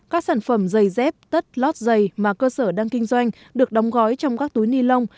các sản phẩm giày dép tất lót giày mà cơ sở đang kinh doanh được đóng gói trong các túi ni lông